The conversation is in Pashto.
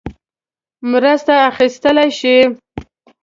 مرسته اخیستلای شي.